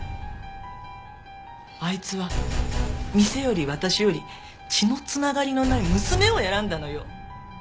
あいつは店より私より血の繋がりのない娘を選んだのよ。